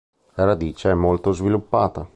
La radice è molto sviluppata.